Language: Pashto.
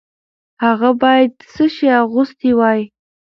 هغه باید څه شی اغوستی وای؟